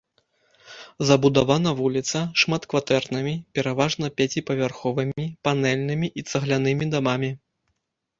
Забудавана вуліца шматкватэрнымі, пераважна пяціпавярховымі панэльнымі і цаглянымі дамамі.